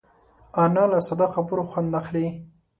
انا له ساده خبرو خوند اخلي